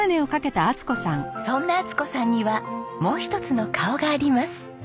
そんな充子さんにはもう一つの顔があります。